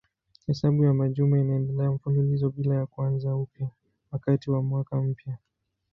Hesabu ya majuma inaendelea mfululizo bila ya kuanza upya wakati wa mwaka mpya.